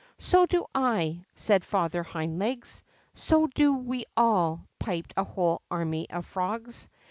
'' So do I," said Father Hind Legs. So do we all !" piped a whole army of frogs.